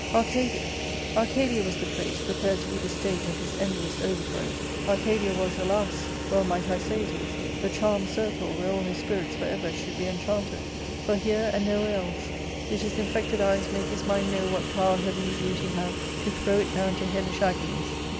Arcadia, Arcadia was \ht ^ place prepared to be the stage of his endless overthrow ; Arcadia was, alas !— well might I say it is — the charmed y circle where all his spirits for ever should be enchanted. For here, and nowhere else, did his i^ected eyes make his mind know what power heavenly beauty had to throw it down to hellish agonies.